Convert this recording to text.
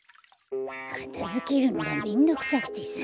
かたづけるのがめんどくさくてさ。